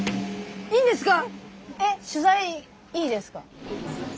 いいんですか？